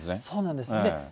そうなんです。